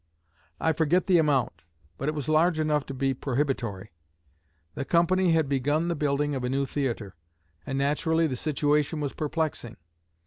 I forget the amount, but it was large enough to be prohibitory." The company had begun the building of a new theatre; and naturally the situation was perplexing.